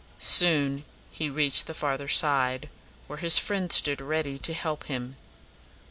Soon he reached the farther side, where his friends stood ready to help him.